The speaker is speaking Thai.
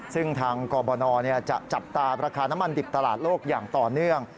ซึ่งทางกรบนจะจับตาราคาน้ำมันดิบตลาดโลกอย่างต่อเนื่อง